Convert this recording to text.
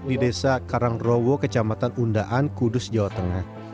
di desa karangrogo kecamatan undaan kudus jawa tengah